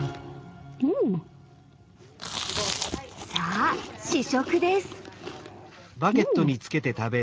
さあ試食です。